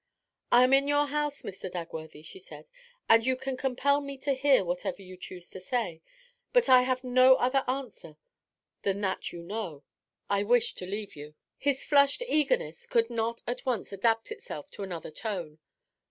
'I am in your house, Mr. Dagworthy,' she said, 'and you can compel me to hear whatever you choose to say. But I have no other answer than that you know. I wish to leave you.' His flushed eagerness could not at once adapt itself to another tone.